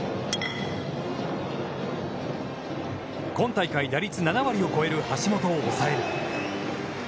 今大会、打率７割を超える橋本を抑える。